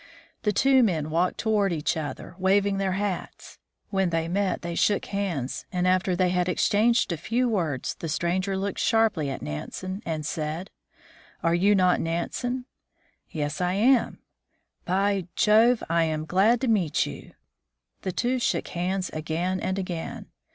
The two men walked toward each other, waving their hats. When they met they shook hands, and after they had exchanged a few words the stranger looked sharply at Nansen, and said, " Are you not Nansen ?" "Yes, I am." " By Jove ! I am glad to meet you." The two shook hands again and again.